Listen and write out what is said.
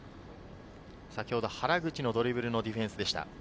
原口のドリブルのディフェンスでした。